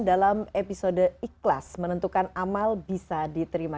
dalam episode ikhlas menentukan amal bisa diterima